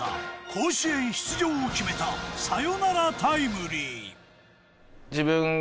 甲子園出場を決めたサヨナラタイムリー。